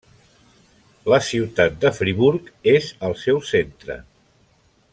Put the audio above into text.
La ciutat de Friburg és el seu centre.